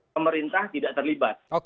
pemerintah tidak terlibat